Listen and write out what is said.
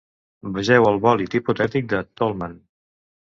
Vegeu el bòlid hipotètic de Tollmann.